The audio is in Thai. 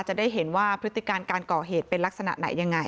จะได้เห็นว่าพฤติการการก่อเหตุเป็นลักษณะไหนยังไง